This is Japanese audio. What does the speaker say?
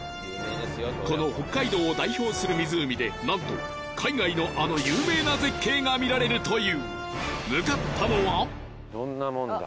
この北海道を代表する湖でなんと海外のあの有名な絶景が見られるという向かったのはどんなもんだ？